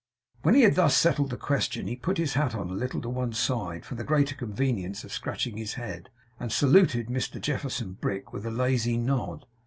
When he had thus settled the question, he put his hat a little on one side for the greater convenience of scratching his head, and saluted Mr Jefferson Brick with a lazy nod.